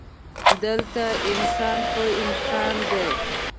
دلته انسان خو انسان دی.